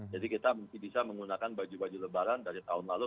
jadi kita masih bisa menggunakan baju baju lebaran dari tahun lalu